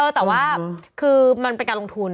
เออแต่ว่ามันเป็นการลงทุน